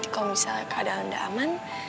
kalau misal keadaan gak aman